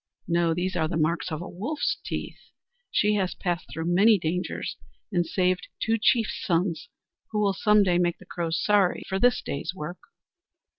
No, those are the marks of a wolf's teeth! She has passed through many dangers and saved two chief's sons, who will some day make the Crows sorry for this day's work!"